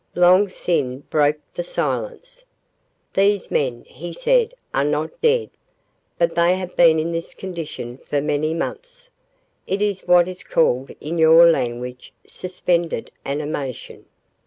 Long Sin broke the silence: "These men," he said, "are not dead; but they have been in this condition for many months. It is what is called in your language suspended animation."